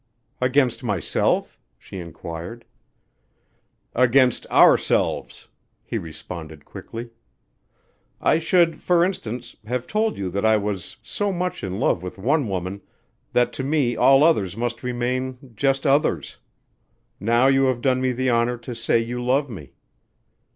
"Against myself?" she inquired. "Against ourselves," he responded quickly. "I should, for instance, have told you that I was so much in love with one woman, that to me all others must remain just others. Now you have done me the honor to say you love me."